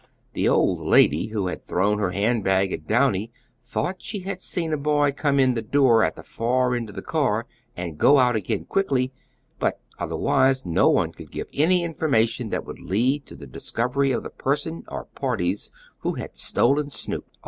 The old lady who had thrown her hand bag at Downy thought she had seen a boy come in the door at the far end of the car, and go out again quickly, but otherwise no one could give any information that would lead to the discovery of the person or parties who had stolen Snoop.